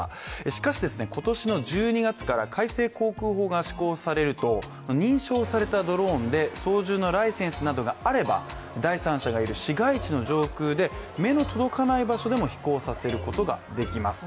しかし、今年１２月から改正航空法が施行されると認証されたドローンで操縦のライセンスなどがあれば第三者がいる市街地の上空で目の届かない場所でも飛行させることができます。